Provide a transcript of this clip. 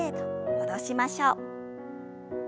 戻しましょう。